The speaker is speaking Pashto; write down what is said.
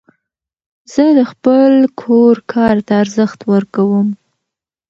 زه د خپل کور کار ته ارزښت ورکوم.